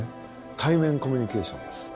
対面コミュニケーションです。